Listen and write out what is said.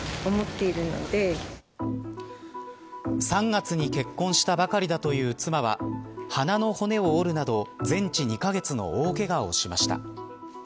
３月に結婚したばかりだという妻は鼻の骨を折るなど全治２カ月の大けがをしました。